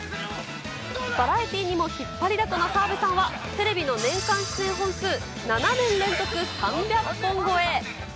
バラエティーにも引っ張りだこの澤部さんはテレビの年間出演本数７年連続３００本超え。